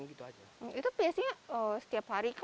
itu biasanya setiap hari kah